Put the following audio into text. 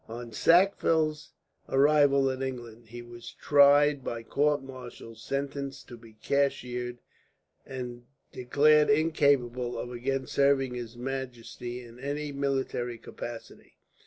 On Sackville's arrival in England he was tried by court martial, sentenced to be cashiered, and declared incapable of again serving his majesty in any military capacity.